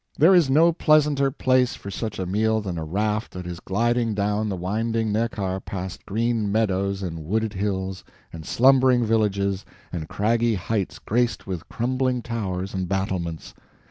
There is no pleasanter place for such a meal than a raft that is gliding down the winding Neckar past green meadows and wooded hills, and slumbering villages, and craggy heights graced with crumbling towers and battlements.